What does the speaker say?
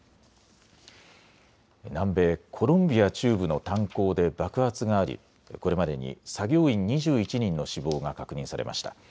南米コロンビア中部の炭鉱で爆発がありこれまでに作業員２１人の死亡が確認されました。